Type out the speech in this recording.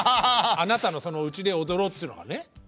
あなたのその「うちで踊ろう」っていうのがね。